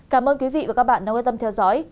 cảm ơn quý vị và các bạn đã quan tâm theo dõi